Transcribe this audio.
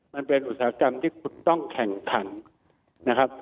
อุตสาหกรรมที่คุณต้องแข่งขันนะครับ